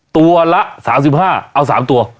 ตัวละ๓๕เอา๓ตัว